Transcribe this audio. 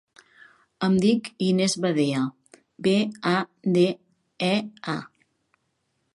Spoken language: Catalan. Em dic Inés Badea: be, a, de, e, a.